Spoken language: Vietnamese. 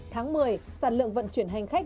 tháng một mươi sản lượng vận chuyển hành khách